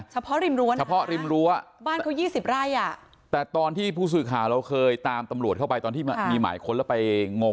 เฉพาะลิมรั้วบ้านเขา๒๐ไร่